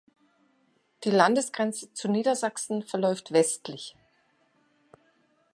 Die Landesgrenze zu Niedersachsen verläuft westlich.